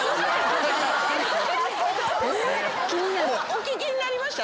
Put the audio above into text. お聞きになりました？